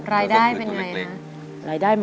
รายได้เป็นไงฮะ